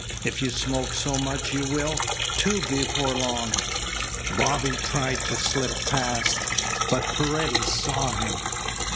If you smoke so much you will, too, before long." Bobby tried to slip past, but Paredes saw him.